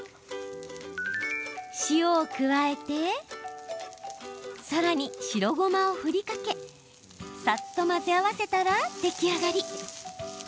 塩を加えてさらに、白ごまをふりかけさっと混ぜ合わせたら出来上がり。